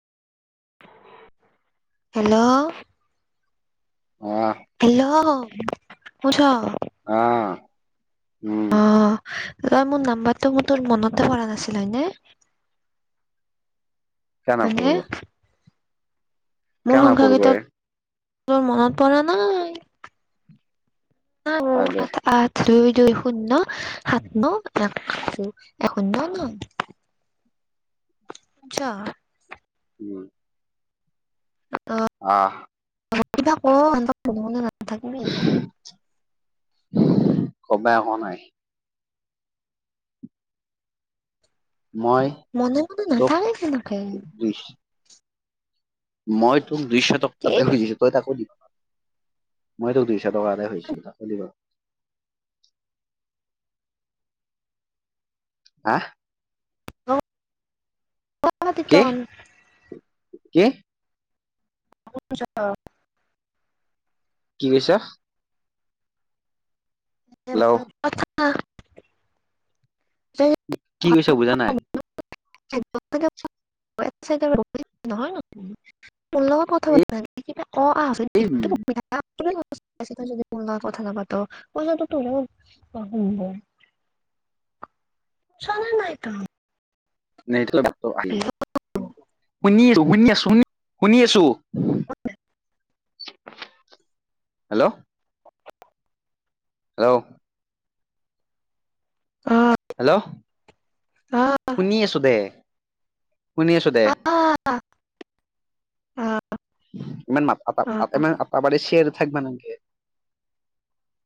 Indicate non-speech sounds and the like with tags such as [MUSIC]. Hello hello কছ আহ উম তই মোৰ নাম্বাৰটো ম তোৰ মনতে পৰা নাছিল নে। কিয় নপৰিব। মোৰ কিয় সংখ্যা নপৰিব কেইটা এ। তোৰ মনত পৰা নাই। ন হয় দে আ আ দুই শূন্য সাত ন এক দু এক শূন্য ন যোৱা। উম আহ থাকিবা ক এনেকোবা ক। থাকিব। ক পাই হোৱা নাই। মই মনে মনে তোক নাথাকে যেনেকে দুই মই তুমি দুইশ কি টিনিছ তই তাকো দিব । মই তোক দুইশ টকা এতোই হৈছিলো তাক দ বাৰ। হা তো অ অ কি দিতন। কি? [UNINTELLIGIBLE] কি কৈছা? হেল্ল' হা কি কৈছ বুজা নাই। [UNINTELLIGIBLE] [UNINTELLIGIBLE] নহয় মোৰ লগত কথা পা ন কি অ এই উম, যদি ম লগ কথা নাপাত কইছ তওম চ নাইত নেথলেও বেয়া। তু আহি শুনি আছো। শুনি আছো শুনি শুনি আছো হেল্ল' হেল্ল' হেল্ল' শুনি আছো দে। শুনি আছো দে ইমান তো ইমানটাবাৰী চেঞৰ থাকিব নেলাগে।